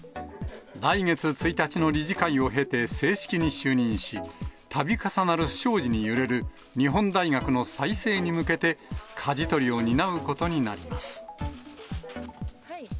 来月１日の理事会を経て、正式に就任し、たび重なる不祥事に揺れる日本大学の再生に向けて、かじ取りを担うことになります。